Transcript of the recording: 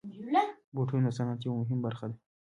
بوټونه د صنعت یوه مهمه برخه ده.